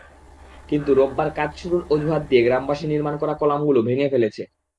কিন্তু রোববার কাজ শুরুর অজুহাত দিয়ে গ্রামবাসী নির্মাণ করা কলামগুলো ভেঙে ফেলেছে।